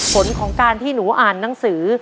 ผลของการที่หนูอ่านหนังสือ